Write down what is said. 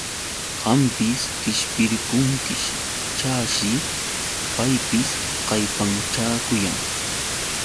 Qampis qishpirqunkish, chashi paypis kallpanchakuyan.